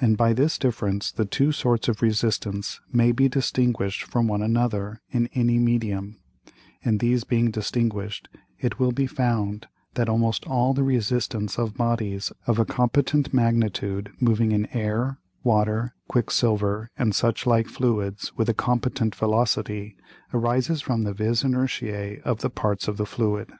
And by this difference the two sorts of Resistance may be distinguish'd from one another in any Medium; and these being distinguish'd, it will be found that almost all the Resistance of Bodies of a competent Magnitude moving in Air, Water, Quick silver, and such like Fluids with a competent Velocity, arises from the Vis inertiæ of the Parts of the Fluid.